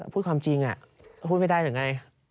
พูดความจริงพูดไม่ได้หรือไง